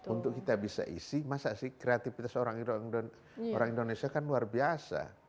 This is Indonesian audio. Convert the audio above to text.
untuk kita bisa isi masa sih kreativitas orang indonesia kan luar biasa